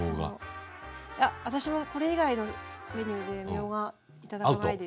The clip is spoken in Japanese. いや私もこれ以外のメニューでみょうが頂かないです。